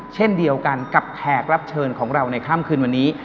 เช่นเดียวกันกับแขกรับเชิญของเราในค่ำคืนวันนี้